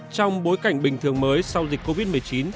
trong bối cảnh bình thường mới sau dịch covid một mươi chín